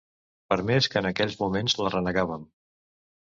Per més que en aquells moments la renegàvem